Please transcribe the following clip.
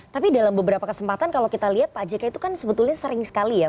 tapi dalam beberapa kesempatan kalau kita lihat pak jk itu kan sebetulnya sering sekali ya